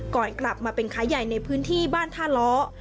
ก่อนกลับมาเป็นขายใหญ่ในพื้นที่บ้านท่าล้อ